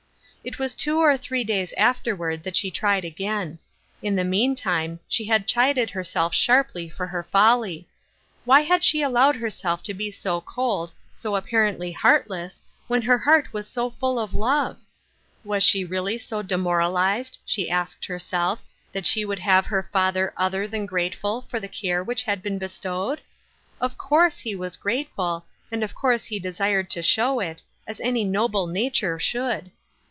It was two or three days afterward that she tried again. In the meantime, she had chided herself sharply for her folly. Why had she .allowed herself to be so cold — so apparently heartless — when her heart was so full of love ? Was she really so demoralized, she asked herself, that she would have her fathei other than grate ful for the care which had been bestowed ? Of course he was grateful, and of course he desired to show it, as any noble nature should.